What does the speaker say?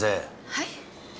はい？